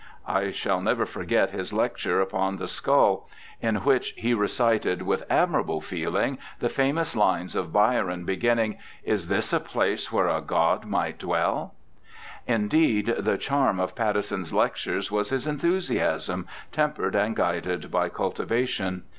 I shall never forget his lecture upon the 234 BIOGRAPHICAL ESSAYS skull, in which he recited with admirable feeling the famous lines of Byron beginning, " Is this a place where a god might dwell?" Indeed, the charm of Pattison's lectures was his enthusiasm, tempered and guided by cultivation.